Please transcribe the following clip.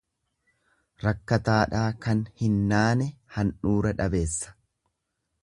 Rakkataadhaa kan hin naane handhuura dhabeessa.